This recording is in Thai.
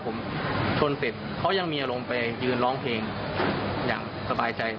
ผมชนเสร็จเขายังมีอารมณ์ไปยืนร้องเพลงอย่างสบายใจ